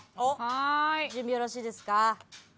準備よろしいですか？